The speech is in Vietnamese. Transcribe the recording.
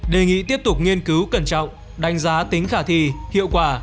đề nghị tiếp tục nghiên cứu cẩn trọng đánh giá tính khả thi hiệu quả